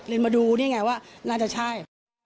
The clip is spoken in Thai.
มาดูนี่ไงว่าน่าจะใช่